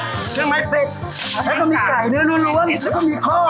เนื้อไม้เป็ดแล้วก็มีไก่เนื้อล้วนแล้วก็มีข้อ